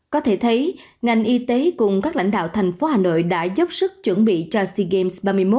có thể thấy ngành y tế cùng các lãnh đạo thành phố hà nội đã dốc sức chuẩn bị cho sea games ba mươi một